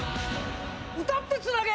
歌ってつなげ！